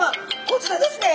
こちらですね。